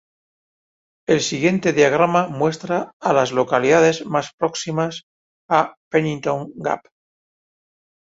El siguiente diagrama muestra a las localidades más próximas a Pennington Gap.